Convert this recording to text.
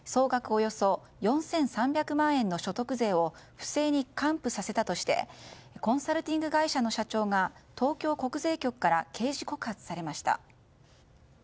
およそ４３００万円の所得税を不正に還付させたとしてコンサルティング会社の社長が東京国税局から刑事告発されました。